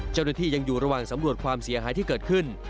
เจ้าหน้าที่ยังอยู่ระหว่างสำรวจความเสียหายที่เกิดขึ้น